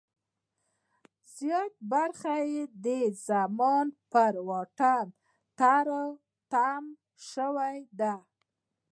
زیاته برخه یې د زمان پر واټ تری تم شوې ده.